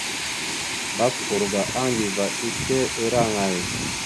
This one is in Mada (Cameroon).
Baskur ga Aŋgiva ike ira aŋay?